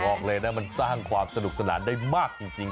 บอกเลยนะมันสร้างความสนุกสนานได้มากจริง